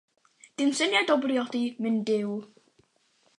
Dim syniad o briodi, myn Duw!